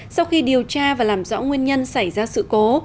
sau khi điều tra và làm rõ nguyên nhân xảy ra sự cố